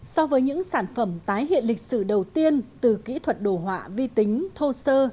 so với những sản phẩm tái hiện lịch sử đầu tiên từ kỹ thuật đồ họa vi tính thô sơ